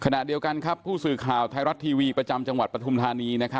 ขณะเดียวกันครับผู้สื่อข่าวไทยรัฐทีวีประจำจังหวัดปฐุมธานี